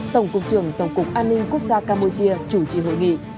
tổng cục trưởng tổng cục an ninh quốc gia campuchia chủ trì hội nghị